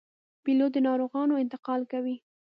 پیلوټ د ناروغانو انتقال کوي.